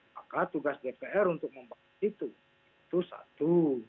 maka tugas dpr untuk membahas itu itu satu